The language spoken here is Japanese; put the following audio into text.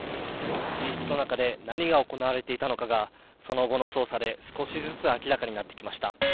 密室の中で何が行われていたのかがその後の捜査で少しずつ明らかになってきました。